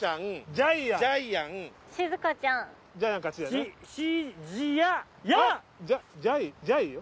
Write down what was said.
「ジャイ」よ？